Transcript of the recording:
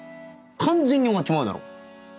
完全に終わっちまうだろ。